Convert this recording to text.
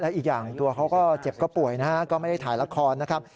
อีกอย่างตัวเขาก็เจ็บก็ป่วยนะฮะก็ไม่ได้ถ่ายละครนะครับ